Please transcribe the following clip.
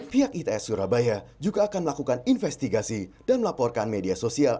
pihak its surabaya juga akan melakukan investigasi dan melaporkan media sosial